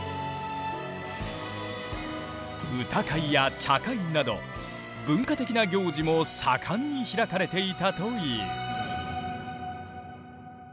歌会や茶会など文化的な行事も盛んに開かれていたという。